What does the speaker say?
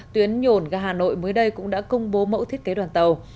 tuyến nhồn ra hà nội mới đây cũng đã công bố mẫu thiết kế đoàn tàu